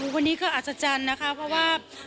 วันนี้ก็อัศจรรย์นะคะเพราะว่า